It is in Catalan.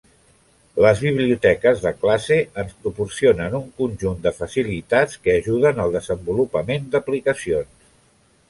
Les biblioteques de classe ens proporcionen un conjunt de facilitats que ajuden al desenvolupament d'aplicacions.